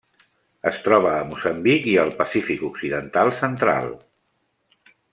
Es troba a Moçambic i el Pacífic occidental central.